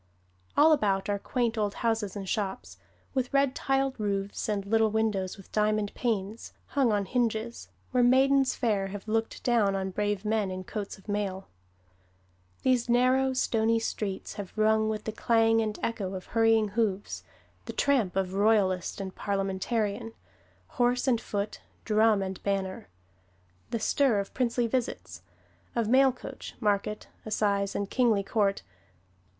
All about are quaint old houses and shops, with red tiled roofs, and little windows, with diamond panes, hung on hinges, where maidens fair have looked down on brave men in coats of mail. These narrow, stony streets have rung with the clang and echo of hurrying hoofs; the tramp of Royalist and Parliamentarian, horse and foot, drum and banner; the stir of princely visits, of mail coach, market, assize and kingly court.